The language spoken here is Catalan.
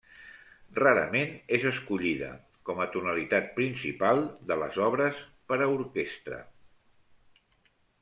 Rarament és escollida com a tonalitat principal de les obres per a orquestra.